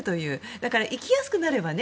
だから行きやすくなればね。